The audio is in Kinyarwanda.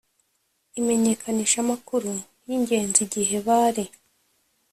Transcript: Imenyekanisha amakuru y ingenzi igihe bari